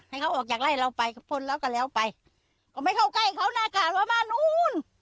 ให้เขาออกจากไล่เราไปกับคนเราก็แล้วไปก็ไม่เข้าใกล้เขาหน้ากากประมาณนู้น